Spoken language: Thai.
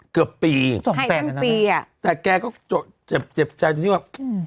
เกือบปีจบให้ทั้งปีอ่ะแต่แกก็เจ็บเจ็บใจตรงที่ว่าอืม